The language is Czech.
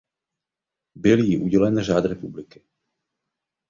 Byl jí udělen Řád republiky.